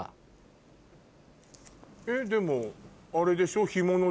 えっでもあれでしょ。